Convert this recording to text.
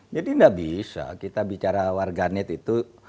jadi enggak bisa kita bicara warganet itu